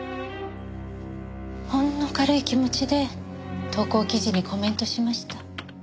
ほんの軽い気持ちで投稿記事にコメントしました。